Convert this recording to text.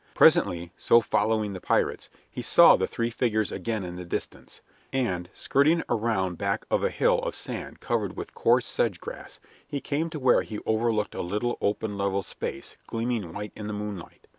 Presently, so following the pirates, he saw the three figures again in the distance, and, skirting around back of a hill of sand covered with coarse sedge grass, he came to where he overlooked a little open level space gleaming white in the moonlight.